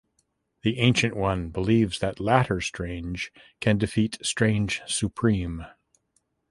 The Ancient One believes the latter Strange can defeat Strange Supreme.